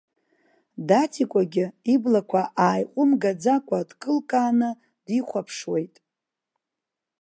Даҭикәагьы, иблақәа ааиҟәымгаӡакәа, дкылкааны дихәаԥшуеит.